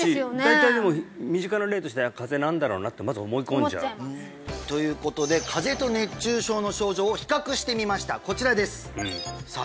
大体でも身近な例として風邪なんだろうなってまず思い込んじゃうということでしてみましたこちらですさあ